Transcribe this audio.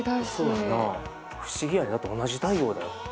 不思議やだって同じ太陽だよ。